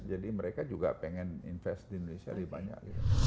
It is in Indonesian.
jadi mereka juga pengen invest di indonesia lebih banyak